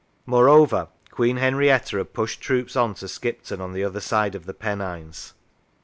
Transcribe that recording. Moreover, Queen Henrietta had pushed troops on to Skipton, on the other side of the Pennines.